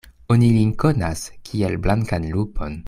Oni lin konas, kiel blankan lupon.